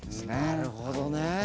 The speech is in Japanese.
なるほどね。